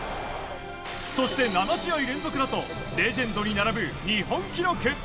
そして７試合連続だとレジェンドに並ぶ日本記録。